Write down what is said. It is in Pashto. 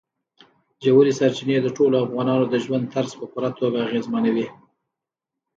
ژورې سرچینې د ټولو افغانانو د ژوند طرز په پوره توګه اغېزمنوي.